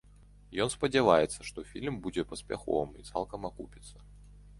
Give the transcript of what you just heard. Ён спадзяецца, што фільм будзе паспяховым і цалкам акупіцца.